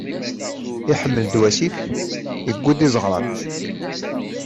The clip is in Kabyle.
Iḥmel-d wasif, yuwi-d izeɣran.